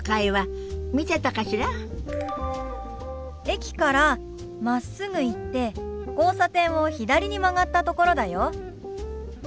駅からまっすぐ行って交差点を左に曲がったところだよ。